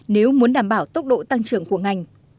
nếu muốn đảm bảo tốc độ tăng trưởng của ngành